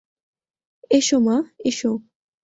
এসো মা, এসো।